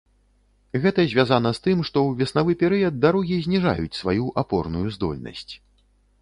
Гэта звязана з тым, што ў веснавы перыяд дарогі зніжаюць сваю апорную здольнасць.